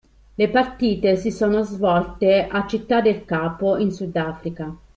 Le partite si sono svolte a Città del Capo, in Sudafrica.